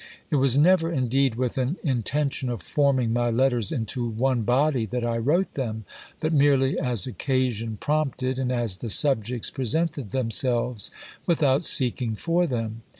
It was never, indeed, with an intention of forming my letters into one body that I wrote them, but merely as occasion prompted, and as the subjects presented themselves without seeking for them.